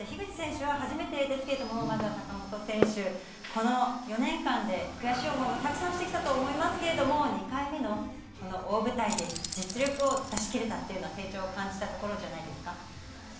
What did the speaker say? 樋口選手は初めてですけど、まずは坂本選手、この４年間で悔しい思いもたくさんしてきたと思いますけど、２回目の大舞台で実力を出し切れた、成長を感じたところじゃないですか？